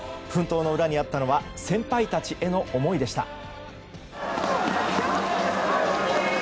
奮闘の裏にあったのは先輩たちへの思いでした。